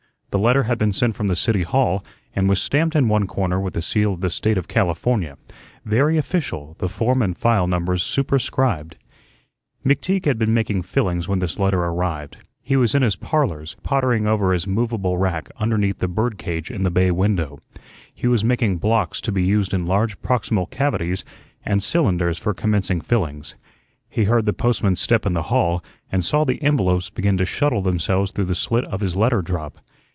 The letter had been sent from the City Hall and was stamped in one corner with the seal of the State of California, very official; the form and file numbers superscribed. McTeague had been making fillings when this letter arrived. He was in his "Parlors," pottering over his movable rack underneath the bird cage in the bay window. He was making "blocks" to be used in large proximal cavities and "cylinders" for commencing fillings. He heard the postman's step in the hall and saw the envelopes begin to shuttle themselves through the slit of his letter drop.